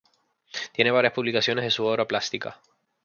Tiene varias publicaciones de su obra plástica.